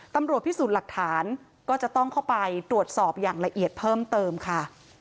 ตำรวจพิสูจน์หลักฐานก็จะต้องเข้าไปตรวจสอบอย่างละเอียดเพิ่มเติมค่ะ